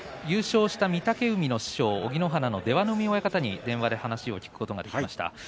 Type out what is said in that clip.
優勝した御嶽海の師匠小城乃花の出羽海親方に電話で話を聞くことができました。